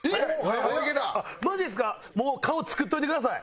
もう顔作っといてください。